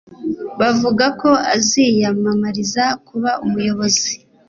Bavuga ko aziyamamariza kuba umuyobozi